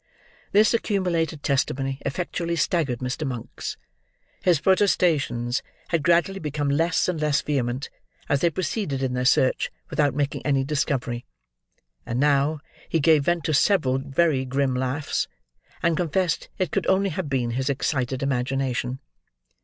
This accumulated testimony effectually staggered Mr. Monks. His protestations had gradually become less and less vehement as they proceeded in their search without making any discovery; and, now, he gave vent to several very grim laughs, and confessed it could only have been his excited imagination.